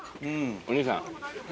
お兄さん。